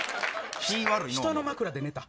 人の枕で寝た。